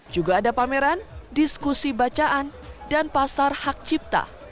juga ada pameran diskusi bacaan dan pasar hak cipta